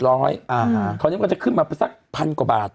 เพราะฉะนั้นก็จะขึ้นมาไปสักพันกว่าบาท